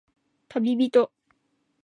たびびと